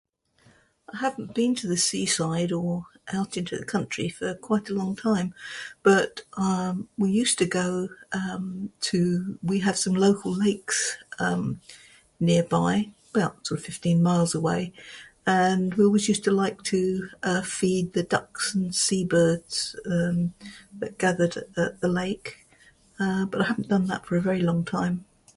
I hadn't been to the seaside or out into the country for quite a long time. But, um we used to go um to... we have some local lakes um nearby. Well sort of 15 miles away and we always used to like to uh feed the ducks and see birds, um gathered at the lake. Uh, But, I haven't done that for a very long time.